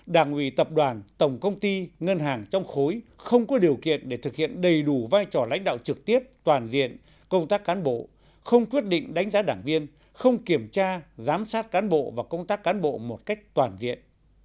đảng ủy tập đoàn tổng công ty ngân hàng trong khối không có điều kiện để thực hiện đầy đủ vai trò lãnh đạo trực tiếp toàn diện công tác cán bộ không quyết định đánh giá đảng viên không kiểm tra giám sát cán bộ và công tác cán bộ một cách toàn diện